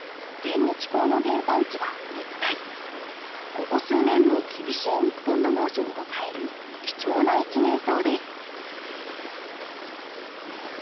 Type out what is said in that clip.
ここ数年の厳しい日本の猛暑にも耐える貴重な一年草です。